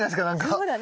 そうだね。